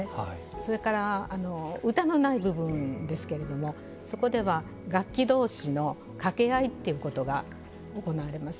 それからあの歌のない部分ですけれどもそこでは楽器同士の掛け合いっていうことが行われます。